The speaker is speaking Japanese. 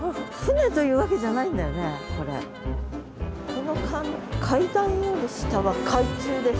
「この階段より下は海中です」。